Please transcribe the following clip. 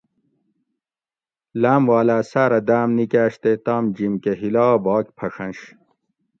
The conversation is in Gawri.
لاۤم والاۤ سارہ داۤم نیکاۤش تے تام جیم کہ ھیلا باک پھڛنش